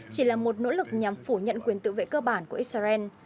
chỉ là một nỗ lực nhằm phủ nhận quyền tự vệ cơ bản của israel